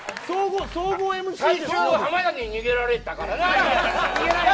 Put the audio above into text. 浜田に逃げられたからな。